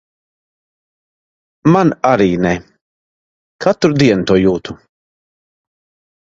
Man arī ne. Katru dienu to jūtu.